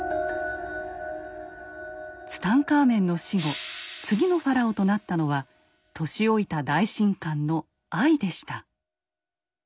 ツタンカーメンの死後次のファラオとなったのは年老いた大神官のアイでした。